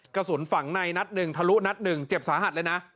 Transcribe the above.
กระสุนฝังในนัดหนึ่งทะลุนัดหนึ่งเจ็บสาหัสเลยนะ